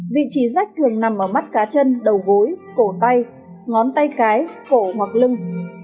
vị trí rách thường nằm ở mắt cá chân đầu gối cổ tay ngón tay cái cổ hoặc lưng